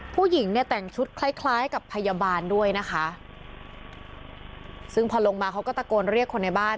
ผู้หญิงเนี่ยแต่งชุดคล้ายคล้ายกับพยาบาลด้วยนะคะซึ่งพอลงมาเขาก็ตะโกนเรียกคนในบ้าน